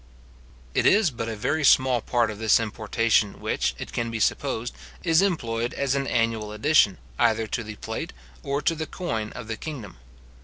It is but a very small part of this importation which, it can be supposed, is employed as an annual addition, either to the plate or to the coin of the kingdom.